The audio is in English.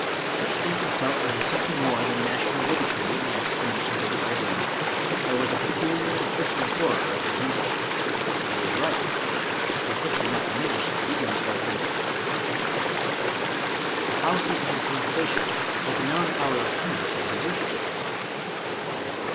— But Stanton felt there was something more than national bigotry in the ex clamations of the old woman; there was a peculiar and 172 Charles Robert Maturin personal horror of the English. — ^And he was right; but this did not diminish the eagerness of his ....••.•• The house was handsome and spacious, but the melancholy appearance of desertion